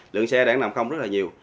lượng xe đang nằm không rất là nhiều